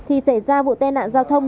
thì xảy ra vụ tên nạn giao thông